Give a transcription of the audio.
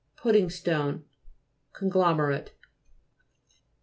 PUDDING STONE Conglomerate.